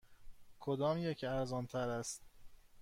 کدامیک ارزان تر است؟